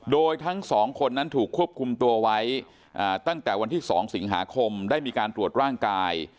โดยทั้งสองคนนั้นถูกควบคุมตัวไว้ตั้งแต่วันที่๒สิงหาคมได้มีการตรวจร่างกาย